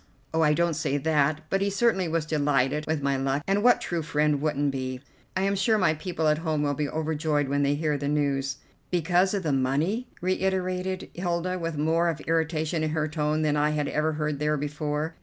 "Oh, I don't say that, but he certainly was delighted with my luck, and what true friend wouldn't be? I am sure my people at home will be overjoyed when they hear the news." "Because of the money?" reiterated Hilda, with more of irritation in her tone than I had ever heard there before.